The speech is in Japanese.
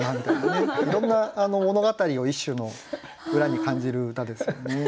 いろんな物語を一首の裏に感じる歌ですよね。